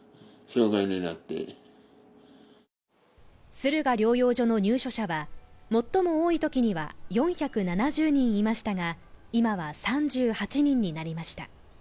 駿河療養所の入所者は、最も多いときには４７０人いましたが今は３８人になりました。